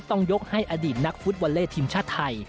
ต้องยกให้อดีตนักฟุตบอลเล่ทีมชาติไทย